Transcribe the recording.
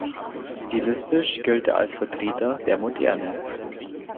Stilistisch gilt er als Vertreter der Moderne.